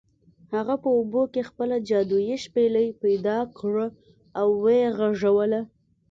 هغه په اوبو کې خپله جادويي شپیلۍ پیدا کړه او و یې غږوله.